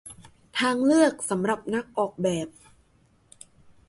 ทางเลือกสำหรับนักออกแบบ